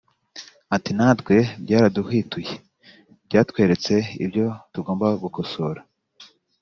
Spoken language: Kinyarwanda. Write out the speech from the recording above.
Ati “Natwe byaraduhwituye byatweretse ibyo tugomba gukosora